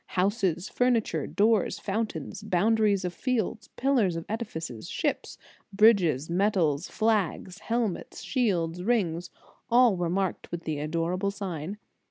Houses, furniture, doors, fountains, bounda ries of fields, pillars of edifices, ships, bridges, medals, flags, helmets, shields, rings; all were marked with the adorable sign.